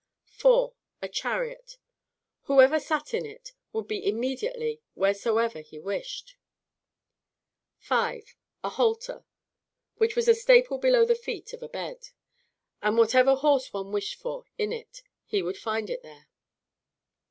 4. A chariot; whoever sat in it would be immediately wheresoever he wished. 5. A halter, which was in a staple below the feet of a bed; and whatever horse one wished for in it, he would find it there.